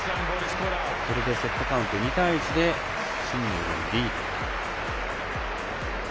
これでセットカウント２対１でシンネルのリード。